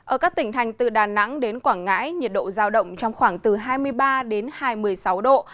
ở các tỉnh thành từ đà nẵng đến quảng ngãi nhiệt độ giao động trong khoảng từ hai mươi ba đến hai mươi sáu độ